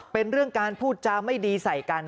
เป็นเรื่องการพูดจาไม่ดีใส่กัน